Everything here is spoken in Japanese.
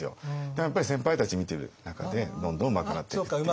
やっぱり先輩たち見ている中でどんどんうまくなっていくっていう感じですね。